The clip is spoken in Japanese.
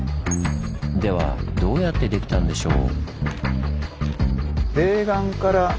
ではどうやってできたんでしょう？